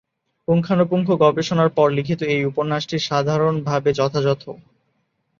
পুঙ্খানুপুঙ্খ গবেষণার পর লিখিত এই উপন্যাসটি সাধারণভাবে যথাযথ।